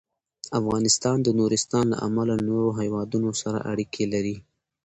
افغانستان د نورستان له امله له نورو هېوادونو سره اړیکې لري.